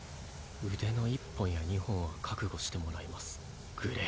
腕の一本や二本は覚悟してもらいますグレイ